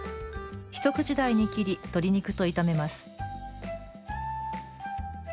一口大に切り、鶏肉と炒めます。